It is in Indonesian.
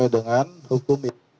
dengan hukum yang